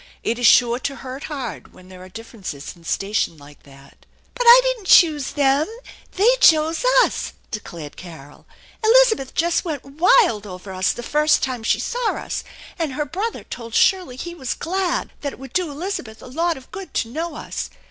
It is sure to hurt hard when there are differences in station like that." " But I didn't choose them. They chose us !" declared Carol. " Elizabeth just went wild over us the first time she saw us, and her brother told Shirley he was glad, that it would do Elizabeth a lot of good to know us.